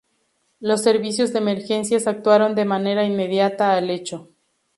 Los servicios de emergencias actuaron de manera inmediata al hecho.